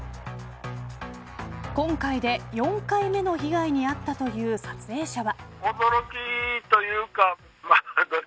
今回で４回目の被害に遭ったという撮影者は。